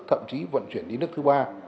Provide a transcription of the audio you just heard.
thậm chí vận chuyển đến nước thứ ba